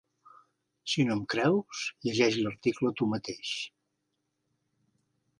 Si no em creus, llegeix l'article tu mateix.